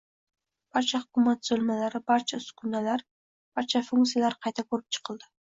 Barcha hukumat tuzilmalari, barcha uskunalar, barcha funktsiyalar qayta ko'rib chiqildi